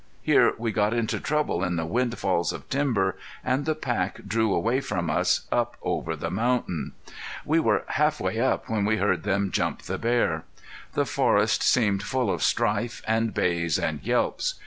Here we got into trouble in the windfalls of timber and the pack drew away from us, up over the mountain. We were half way up when we heard them jump the bear. The forest seemed full of strife and bays and yelps.